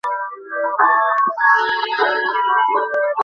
তিনি দেওবন্দ যান এবং মৌলভি মাহতাব আলির মাদরাসায় শিক্ষালাভ করেন।